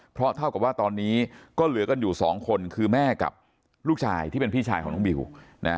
เพราะเท่ากับว่าตอนนี้ก็เหลือกันอยู่สองคนคือแม่กับลูกชายที่เป็นพี่ชายของน้องบิวนะ